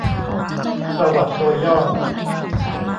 ประวัติโดยย่อ